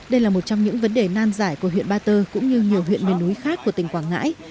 đây là một trong những vấn đề nan giải của huyện ba tơ cũng như nhiều huyện miền núi khác của tỉnh quảng ngãi